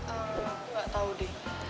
aku gak tau deh